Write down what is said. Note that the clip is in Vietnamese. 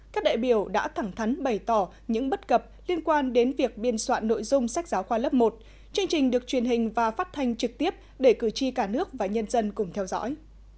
các đại biểu đã thẳng thắn bày tỏ những bất cập liên quan đến việc biên soạn nội dung sách giáo khoa lớp một chương trình được truyền hình và phát thanh trực tiếp để cử tri cả nước và nhân dân cùng theo dõi